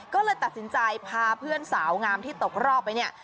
ก็เลยตัดสินใจพาเพื่อนสาวงามที่ตกรอบไปเนี่ย